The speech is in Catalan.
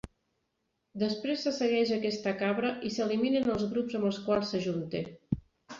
Després se segueix a aquesta cabra i s'eliminen els grups amb els quals s'ajunta.